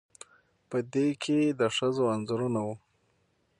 په دې کې د ښځو انځورونه وو